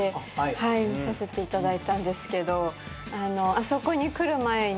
あそこに来る前に。